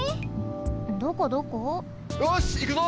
よしいくぞ！